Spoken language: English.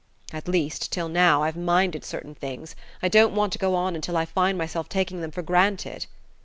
At least, till now, I've minded certain things; I don't want to go on till I find myself taking them for granted."